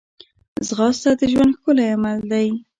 ځغاسته د ژوند ښکلی عمل دی